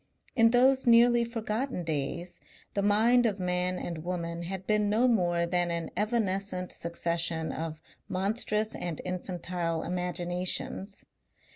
In those nearly forgotten days the mind of man and woman had been no more than an evanescent succession of monstrous and infantile imaginations.